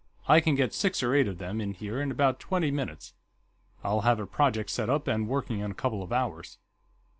"I can get six or eight of them in here in about twenty minutes; I'll have a project set up and working in a couple of hours.